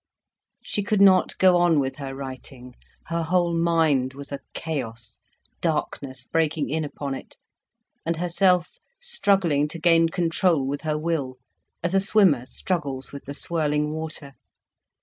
She could not go on with her writing. Her whole mind was a chaos, darkness breaking in upon it, and herself struggling to gain control with her will, as a swimmer struggles with the swirling water.